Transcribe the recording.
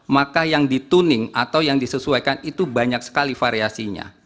maka yang di tuning atau yang disesuaikan itu banyak sekali variasinya